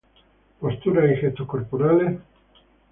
Posturas y gestos corporales en la Misa